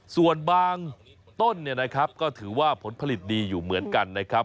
ส่วนบางต้นเนี่ยนะครับก็ถือว่าผลผลิตดีอยู่เหมือนกันนะครับ